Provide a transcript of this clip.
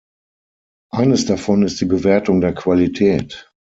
Eines davon ist die Bewertung der Qualität.